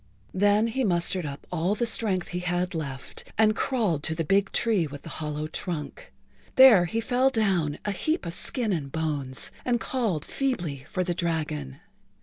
Then he mustered up all the strength he had left and crawled to the big tree with the hollow trunk. There he fell down, a heap of skin and bones, and called feebly for the dragon.